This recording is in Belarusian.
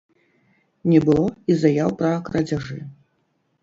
Не было і заяў пра крадзяжы.